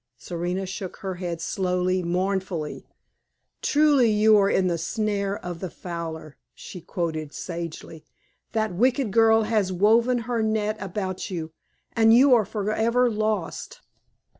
Serena shook her head slowly, mournfully. "Truly, you are 'in the snare of the fowler'," she quoted, sagely. "That wicked girl has woven her net about you, and 'you are forever lost'."